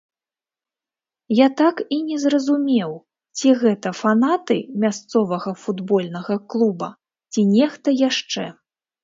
Я так і не зразумеў, ці гэта фанаты мясцовага футбольнага клуба, ці нехта яшчэ.